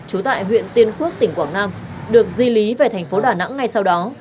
trú tại huyện tiên phước tỉnh quảng nam được di lý về thành phố đà nẵng ngay sau đó